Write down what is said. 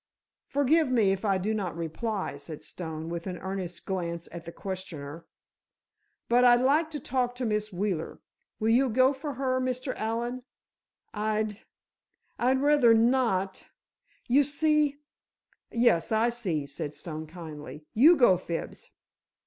"Forgive me, if I do not reply," said Stone, with an earnest glance at the questioner. "But I'd like to talk to Miss Wheeler. Will you go for her, Mr. Allen?" "I'd—I'd rather not—you see——" "Yes, I see," said Stone, kindly. "You go, Fibs."